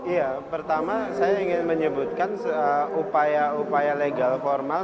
ya pertama saya ingin menyebutkan upaya upaya legal formal